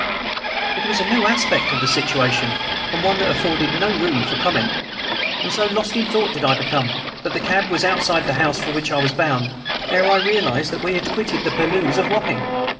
It was a new aspect of the situation and one that afforded no room for comment; and so lost in thought did I become that the cab was outside the house for which I was bound ere I realized that we had quitted the purlieus of Wapping.